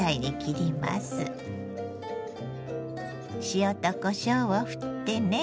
塩とこしょうをふってね。